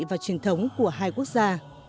và truyền thống của hai quốc gia